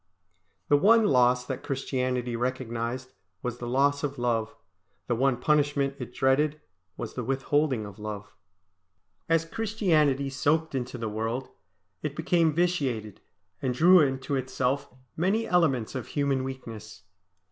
The one loss that Christianity recognised was the loss of love; the one punishment it dreaded was the withholding of love. As Christianity soaked into the world, it became vitiated, and drew into itself many elements of human weakness.